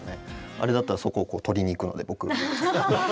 あれだったらそこを撮りに行くので僕。